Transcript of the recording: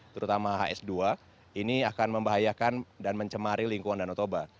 terutama hs dua ini akan membahayakan dan mencemari lingkungan danau toba